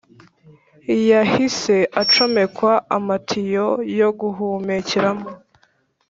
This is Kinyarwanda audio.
yahise acomekwa amatiyo yoguhumukeramo